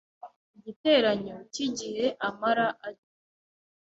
igiteranyo k’igihe amara arya